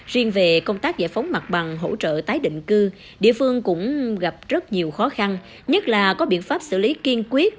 riêng về công tác giải phóng mặt bằng hỗ trợ tái định cư địa phương cũng gặp rất nhiều khó khăn nhất là có biện pháp xử lý kiên quyết